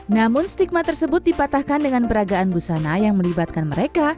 namun stigma tersebut dipatahkan dengan peragaan busana yang melibatkan mereka